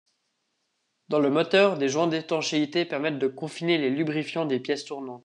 Dans le moteur, des joints d'étanchéité permettent de confiner les lubrifiants des pièces tournantes.